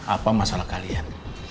apa masalah kalian